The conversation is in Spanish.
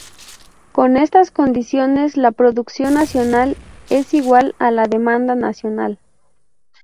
Con estas condiciones, la producción nacional es igual a la demanda nacional.